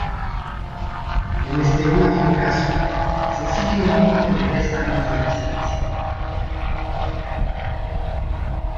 En este último caso, se exige un mínimo de tres años de residencia permanente.